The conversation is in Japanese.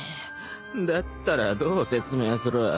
だったらどう説明する？